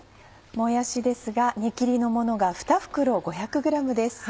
もやしですが根切りのものが２袋５００ｇです。